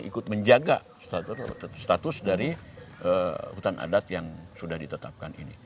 ikut menjaga status dari hutan adat yang sudah ditetapkan ini